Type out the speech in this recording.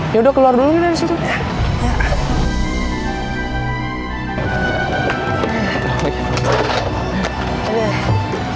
yaudah keluar dulu kita dari situ ya